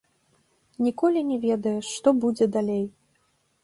Ніколі не ведаеш, што будзе далей.